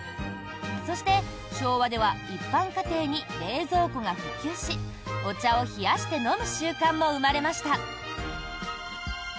そして、昭和では一般家庭に冷蔵庫が普及しお茶を冷やして飲む習慣も生まれました。